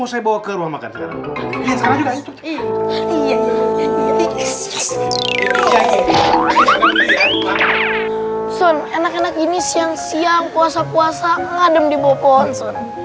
mau saya bawa ke ruang makan sekarang ini siang siang puasa puasa ngadem dibawa pohon